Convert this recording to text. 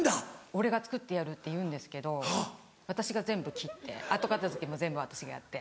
俺が作ってやるって言うんですけど私が全部切って後片付けも全部私がやって。